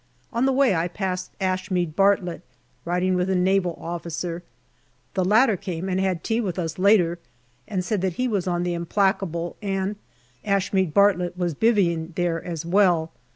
On the way I passed Ashmead Bartlett riding with a Naval officer. The latter came and had tea with us later, and said he was on the Implacable, and Ashmead Bartlett was "bivvying" there as well.